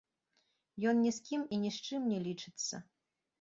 Ён ні з кім і ні з чым не лічыцца.